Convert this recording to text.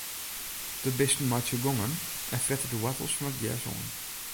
De bisten meitsje gongen en frette de woartels fan it gjers oan.